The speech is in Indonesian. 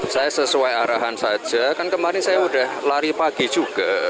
saya sesuai arahan saja kan kemarin saya sudah lari pagi juga